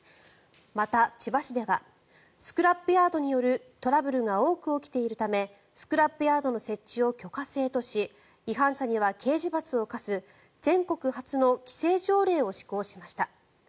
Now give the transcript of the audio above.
また、千葉市ではスクラップヤードによるトラブルが多く起きているためスクラップヤードの設置を許可制とし違反者には刑事罰を科す全国初の規制条例を施行しました。